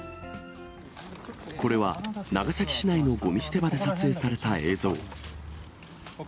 これは長崎市内のごみ捨て場で撮影された映像。